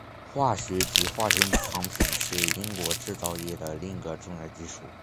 化学及化学产品是英国制造业的另一个重要基础。